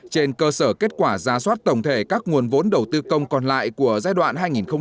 trên cơ sở kết quả ra soát tổng thể các nguồn vốn đầu tư công còn lại của giai đoạn hai nghìn một mươi sáu hai nghìn hai mươi